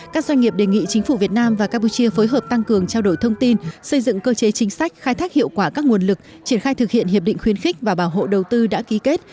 các doanh nghiệp đề nghị chính phủ việt nam và campuchia phối hợp tăng cường trao đổi thông tin xây dựng cơ chế chính sách khai thác hiệu quả các nguồn lực triển khai thực hiện hiệp định khuyến khích và bảo hộ đầu tư đã ký kết